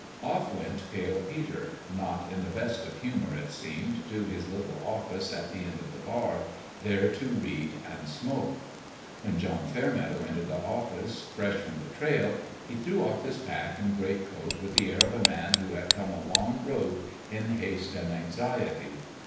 Off went Pale Peter not in the best of hu mour, it seemed to his little office at the end of the bar, there to read and smoke. When John Fairmeadow entered the office, fresh from the trail, he threw off his pack and greatcoat with the air of a man who had come a long road in haste and anxiety.